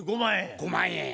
５万円や。